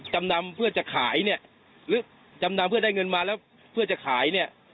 จำนำเพื่อจะขายเนี่ยหรือจำนำเพื่อได้เงินมาแล้วเพื่อจะขายเนี่ย